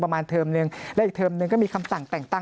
ประมาณเทอมนึงและอีกเทอมนึงก็มีคำสั่งแต่งตั้ง